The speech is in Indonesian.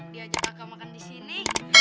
diajukan kakak makan di sini